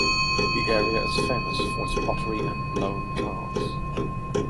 The area is famous for its pottery and blown glass.